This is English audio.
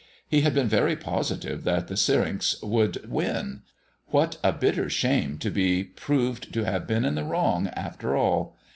He had been very positive that the Syrinx would win. What a bitter shame to be proved to have been in the wrong, after all.